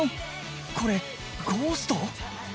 これゴースト？